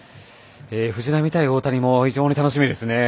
藤浪対大谷も非常に楽しみですね。